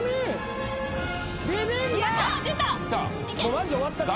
マジ終わったって。